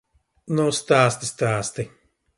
Nu stāsti, stāsti!